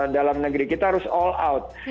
dalam negeri kita harus all out